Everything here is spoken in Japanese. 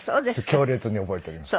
強烈に覚えております。